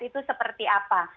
itu seperti apa